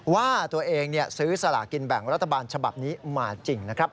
ว่าตัวเองซื้อสลากินแบ่งรัฐบาลฉบับนี้มาจริงนะครับ